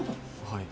はい。